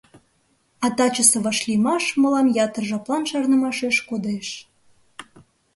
А тачысе вашлиймаш мылам ятыр жаплан шарнымашеш кодеш.